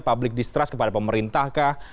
public distrust kepada pemerintah kah